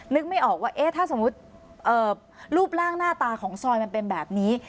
นึกไม่ออกว่าถ้าสมมุติรูปร่างหน้าตาของซอยมันเป็นแบบนี้